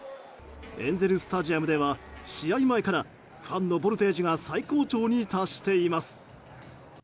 エンゼル・スタジアムでは試合前からファンのボルテージが最高潮に達しています。